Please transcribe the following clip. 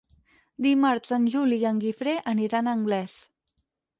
Dimarts en Juli i en Guifré aniran a Anglès.